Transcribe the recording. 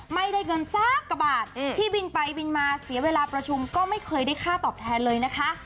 ไม่ได้เงินสักกว่าบาทที่บินไปบินมาเสียเวลาประชุมก็ไม่เคยได้ค่าตอบแทนเลยนะคะ